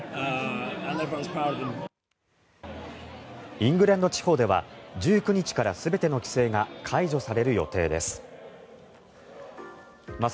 イングランド地方では１９日から全ての規制が解除される予定です。